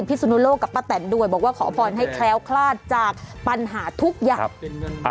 สุนุโลกกับป้าแตนด้วยบอกว่าขอพรให้แคล้วคลาดจากปัญหาทุกอย่าง